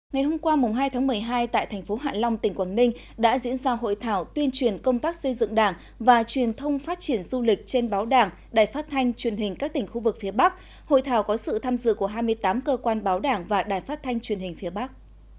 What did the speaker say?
ngày hôm qua hai tháng một mươi hai tại thành phố hạ long tỉnh quảng ninh đã diễn ra hội thảo tuyên truyền công tác xây dựng đảng và truyền thông phát triển du lịch trên báo đảng đài phát thanh truyền hình các tỉnh khu vực phía bắc hội thảo có sự tham dự của hai mươi tám cơ quan báo đảng và đài phát thanh truyền hình phía bắc